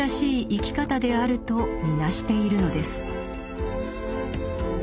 生き方であると見なしているのです。